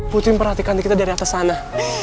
putri memperhatikan kita dari atas sana